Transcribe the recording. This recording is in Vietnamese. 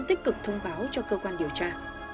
tích cực thông báo cho cơ quan điều tra